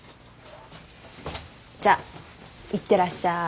じゃいってらっしゃい。